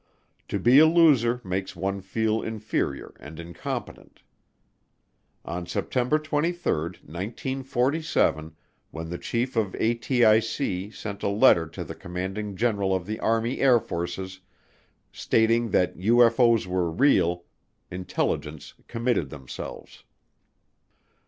To be a loser makes one feel inferior and incompetent. On September 23, 1947, when the chief of ATIC sent a letter to the Commanding General of the Army Air Forces stating that UFO's were real, intelligence committed themselves.